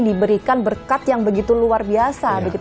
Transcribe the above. diberikan berkat yang begitu luar biasa